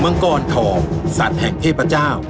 มังกรทองสัตว์แห่งเทพเจ้า